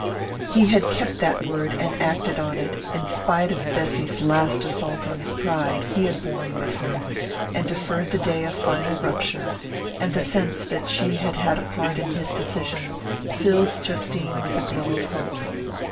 He had kept that word and acted on it; in spite of Bessy's last assault on his pride he had borne with her, and deferred the day of final rupture; and the sense that she had had a part in his decision filled Justine with a glow of hope.